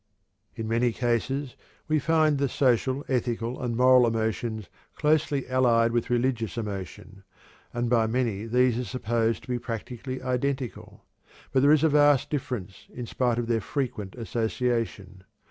In many cases we find the social, ethical, and moral emotions closely allied with religious emotion, and by many these are supposed to be practically identical, but there is a vast difference in spite of their frequent association.